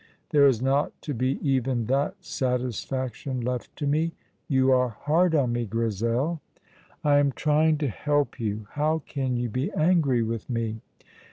"There is not to be even that satisfaction left to me! You are hard on me, Grizel." "I am trying to help you. How can you be angry with me?"